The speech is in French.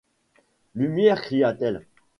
Lumière! cria-t-elle.